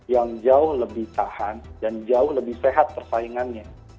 yang jauh lebih tahan dan jauh lebih sehat persaingannya